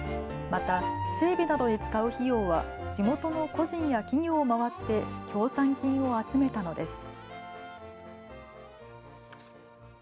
また、整備などに使う費用は地元の個人や企業を回って、協賛金を集めたのです。